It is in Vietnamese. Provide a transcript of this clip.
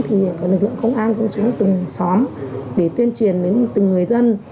thì lực lượng công an cũng xuống từng xóm để tuyên truyền đến từng người dân